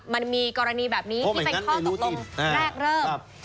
มันมีกรณีแบบนี้ที่เป็นข้อตกลงแรกเริ่ม